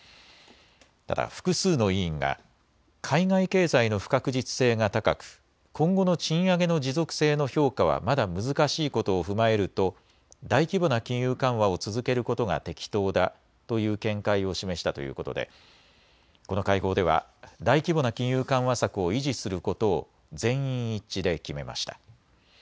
ただ複数の委員が海外経済の不確実性が高く今後の賃上げの持続性の評価はまだ難しいことを踏まえると大規模な金融緩和を続けることが適当だという見解を示したということでこの会合では大規模な金融緩和策を維持することを全員一致で決めました。